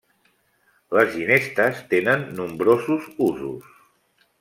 Les ginestes tenen nombrosos usos.